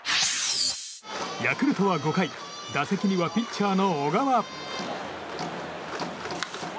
ヤクルトは５回打席にはピッチャーの小川。